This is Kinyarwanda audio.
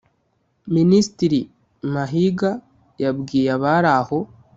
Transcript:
Minisitiri Mahiga yabwiye abari aho